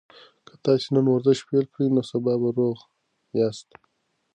که تاسي نن ورزش پیل کړئ نو سبا به روغ یاست.